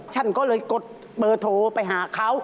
ฉั่นก็เลยกดมือโทรไปหาเขา